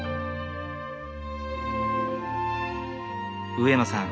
上野さん